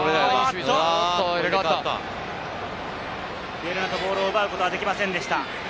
ベルナト、ボールを奪うことはできませんでした。